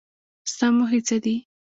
ستا موخې څه دي ؟